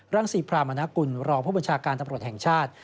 ศรีพรามณกุลรองผู้บัญชาการตำรวจแห่งชาติ